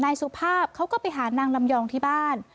สุภาพเขาก็ไปหานางลำยองที่บ้าน